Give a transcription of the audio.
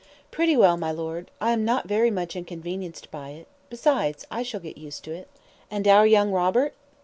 "Pretty well, my Lord. I am not very much inconvenienced by it. Besides I shall get used to it." "And our young Robert!"